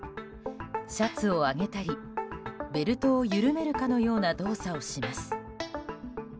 シャツを上げたりベルトを緩めるかのような動作をします。